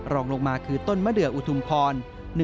รองลงมาคือต้นมะเดืออุทุมพร